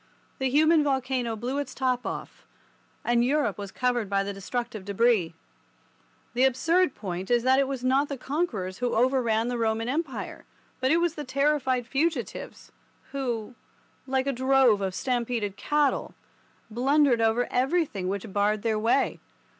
The human volcano blew its top off, and Europe was covered by the destructive debris. The absurd point is that it was not the conquerors who overran the Roman Empire, but it was the terrified fugitives, who, like a drove of stampeded cattle, blundered over everything which barred their way.